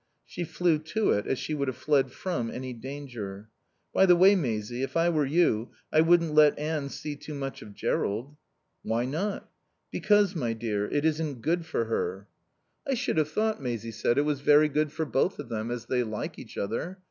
She flew to it as she would have fled from any danger. "By the way, Maisie, if I were you I wouldn't let Anne see too much of Jerrold." "Why not?" "Because, my dear, it isn't good for her." "I should have thought," Maisie said, "it was very good for both of them, as they like each other.